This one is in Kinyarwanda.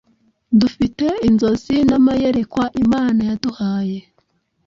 Dufite inzozi n’amayerekwa Imana yaduhaye.